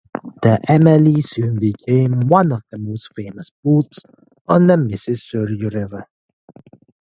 The "Emilie" soon became one of the most famous boats on the Missouri River.